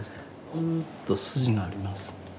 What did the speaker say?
ふっと筋があります。